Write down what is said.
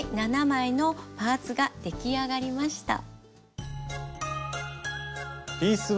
７枚のパーツが出来上がりました。